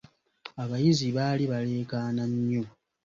Abayizi baali balekaana nnyo.